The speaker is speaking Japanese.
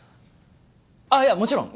あいやもちろん！